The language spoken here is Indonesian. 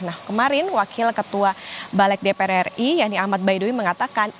nah kemarin wakil ketua balik dpr ri yakni ahmad baidui mengatakan